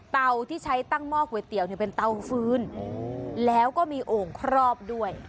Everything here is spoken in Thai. ที่ใช้ตั้งหม้อก๋วยเตี๋ยวเป็นเตาฟื้นแล้วก็มีโอ่งครอบด้วย